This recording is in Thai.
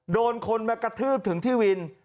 โดนคนมากระทืบถึงที่วิน